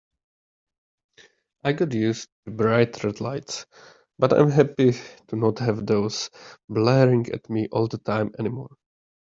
I got used to the bright red lights, but I'm happy to not have those blaring at me all the time anymore.